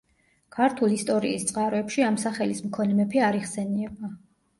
ქართულ ისტორიის წყაროებში ამ სახელის მქონე მეფე არ იხსენიება.